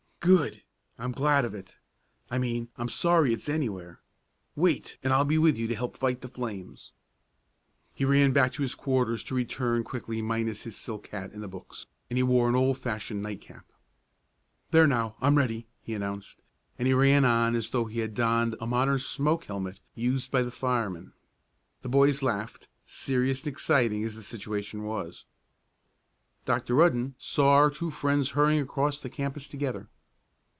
"Good! I'm glad of it. I mean I'm sorry it's anywhere. Wait, and I'll be with you to help fight the flames." He ran back to his quarters to return quickly minus his silk hat and the books, and he wore an old fashioned night cap. "There now, I'm ready," he announced, and he ran on as though he had donned a modern smoke helmet, used by the firemen. The boys laughed, serious and exciting as the situation was. Dr. Rudden saw our two friends hurrying across the campus together.